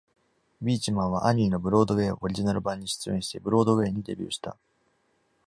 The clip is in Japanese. ビーチマンは、「アニー」のブロードウェイオリジナル版に出演してブロードウェイにデビューした。